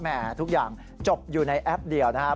ทุกอย่างจบอยู่ในแอปเดียวนะครับ